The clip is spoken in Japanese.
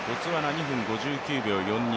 ２分５９秒４２